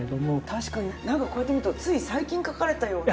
確かになんかこうやって見るとつい最近描かれたような。